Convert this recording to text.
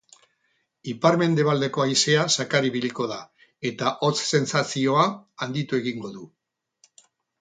Ipar-mendebaldeko haizea zakar ibiliko da, eta hotz sentsazioa handitu egingo du.